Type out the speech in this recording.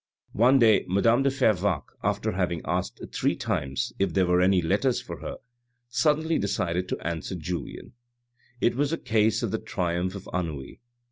One day, madame de Fervaques, after having asked three times if there were any letters for her, suddenly decided to answer Julien. It was a case of the triumph of ennui.